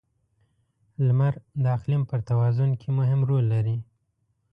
• لمر د اقلیم پر توازن کې مهم رول لري.